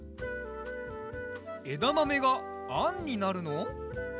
えだまめがあんになるの？